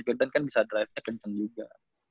vodan kan bisa drivenya kenceng juga